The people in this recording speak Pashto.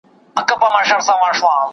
پښتو ښکلا ساتي.